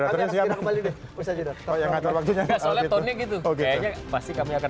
soalnya tonnya gitu kayaknya pasti kami akan